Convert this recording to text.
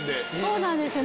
そうなんですよ